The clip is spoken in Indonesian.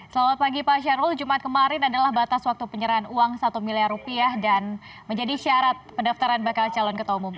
selamat pagi pak syahrul jumat kemarin adalah batas waktu penyerahan uang satu miliar rupiah dan menjadi syarat pendaftaran bakal calon ketua umum